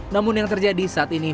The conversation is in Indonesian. namun yang terjadi saat ini